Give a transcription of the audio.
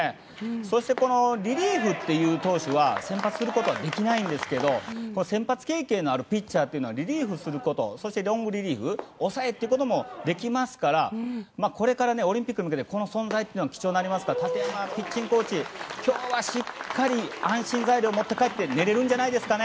そして、リリーフ投手は先発することはできませんが先発経験のある投手というのはリリーフすることやそしてロングリリーフ抑えということもできますからこれからオリンピックに向けてこの存在が貴重になりますから建山ピッチングコーチ今日はしっかりと安心材料を持って帰って寝れるんじゃないですかね。